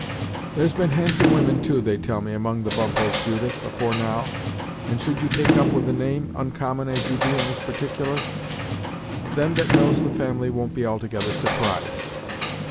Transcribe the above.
"There's been handsome women too, they tell me, among the Bumppos, Judith, afore now, and should you take up with the name, oncommon as you be in this particular, them that knows the family won't be altogether surprised."